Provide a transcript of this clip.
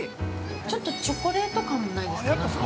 ちょっとチョコレート感もないですか、なんか。